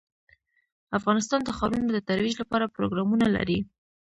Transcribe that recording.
افغانستان د ښارونه د ترویج لپاره پروګرامونه لري.